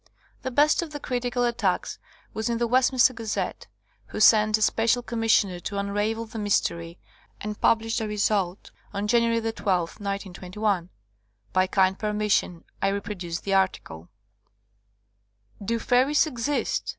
The best of the critical attacks was in the Westminster Gazette, who sent a special commissioner to unravel the mystery, and published the result on January 12, 1921. By kind permission I reproduce the article ; do faieies exist?